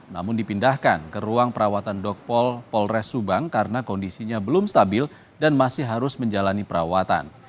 namun dipindahkan ke ruang perawatan dokpol polres subang karena kondisinya belum stabil dan masih harus menjalani perawatan